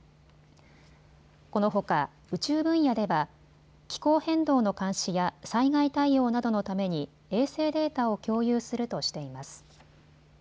このほか、宇宙分野では気候変動の監視や災害対応などのために衛星データを共有するとしています。